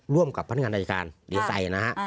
ร่วมกับพนักงานอายการใดใดนะฮะ